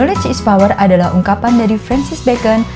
which is power adalah ungkapan dari francis becon